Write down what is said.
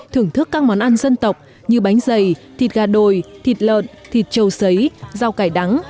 thưởng thức các món ăn dân tộc như bánh dày thịt gà đồi thịt lợn thịt châu sấy rau cải đắng